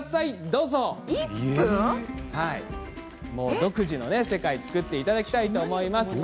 独自の世界を作っていただきたいと思います。